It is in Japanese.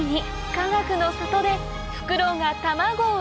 かがくの里でフクロウが卵を産む